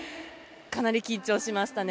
かなり緊張しましたね。